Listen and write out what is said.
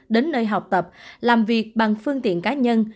đến nơi học tập làm việc bằng phương tiện cá nhân